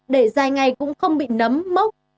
để dài ngày cũng không bị nấm mốc